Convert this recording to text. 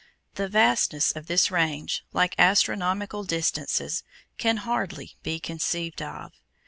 The vastness of this range, like astronomical distances, can hardly be conceived of.